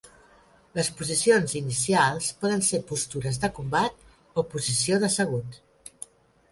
Les posicions inicials poden ser postures de combat o posició d'assegut.